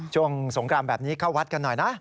สงครามแบบนี้เข้าวัดกันหน่อยนะ